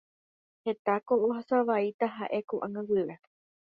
Hetáko ohasavaíta ha'e ko'ág̃a guive.